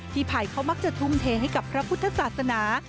ภัยเขามักจะทุ่มเทให้กับพระพุทธศาสนา